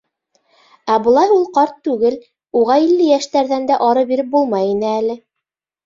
Ә былай ул ҡарт түгел, уға илле йәштәрҙән дә ары биреп булмай ине әле.